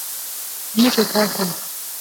موږ و تاسې